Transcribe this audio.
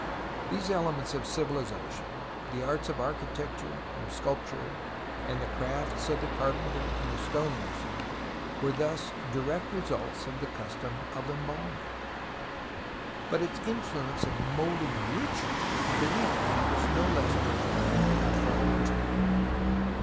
These elements of civilization, the arts of architecture and sculpture, and the crafts of the carpenter and the stonemason, were thus direct results of the custom of embalming. 48 TUTANKHAMEN But its influence in moulding ritual and belief was no less profound and far reaching.